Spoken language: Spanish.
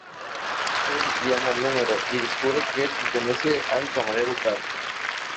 Ted llama al número, y descubre que pertenece al camarero, Carl.